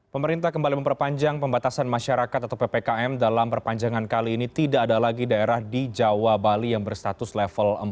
pemerintah kembali memperpanjang pembatasan masyarakat atau ppkm dalam perpanjangan kali ini tidak ada lagi daerah di jawa bali yang berstatus level empat